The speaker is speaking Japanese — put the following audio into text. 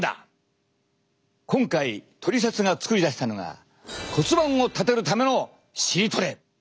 今回トリセツが作り出したのが骨盤を立てるための尻トレ！